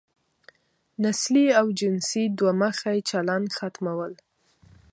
نسلي او جنسي دوه مخی چلن ختمول.